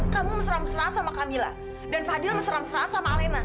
kamu mesra mesra sama camilla dan fadil mesra mesra sama alena